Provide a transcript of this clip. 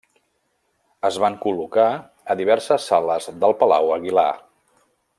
Es van col·locar a diverses sales del Palau Aguilar.